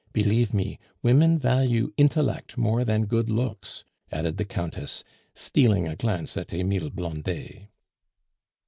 Believe me, women value intellect more than good looks," added the Countess, stealing a glance at Emile Blondet.